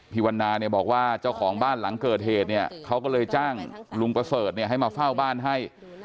วันนาเนี่ยบอกว่าเจ้าของบ้านหลังเกิดเหตุเนี่ยเขาก็เลยจ้างลุงประเสริฐให้มาเฝ้าบ้านให้